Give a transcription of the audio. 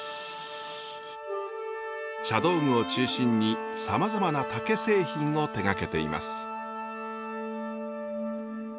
茶道具を中心にさまざまな竹製品を手がけています。